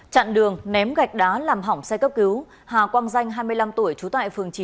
chặn đường ném gạch đá làm hỏng xe cấp cứu hà quang danh hai mươi năm tuổi trú tại phường chín